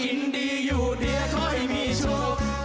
กินดีอยู่ดีขอให้มีโชค